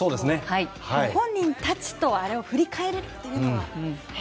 本人たちとあれを振り返るっていうのがね。